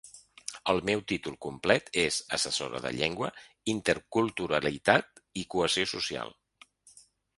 El meu títol complet és ‘assessora de llengua, interculturalitat i cohesió social’.